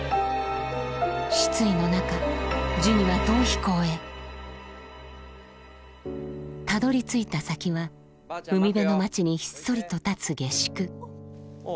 失意の中ジュニは逃避行へたどりついた先は海辺の街にひっそりと立つ下宿おう。